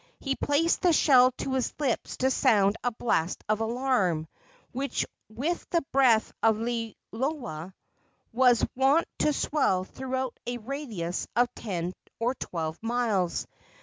He placed the shell to his lips to sound a blast of alarm, which with the breath of Liloa was wont to swell throughout a radius of ten or twelve miles.